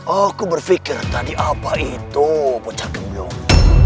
aku berpikir tadi apa itu pecah gemblung